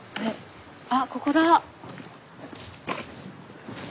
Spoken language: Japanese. あっここだ！